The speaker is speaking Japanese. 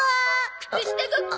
靴下ごっこ。